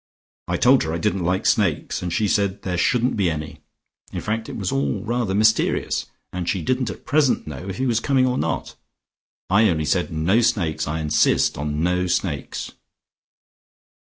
I told her I didn't like snakes, and she said there shouldn't be any. In fact, it was all rather mysterious, and she didn't at present know if he was coming or not. I only said, 'No snakes: I insist on no snakes.'"